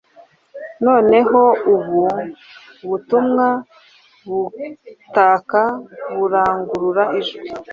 nonehoubu butumwa-butaka burangurura ijwi